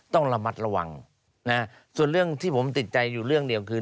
ต้องระมัดระวังนะส่วนเรื่องที่ผมติดใจอยู่เรื่องเดียวคือ